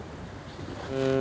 うん。